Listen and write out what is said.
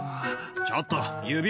ちょっと。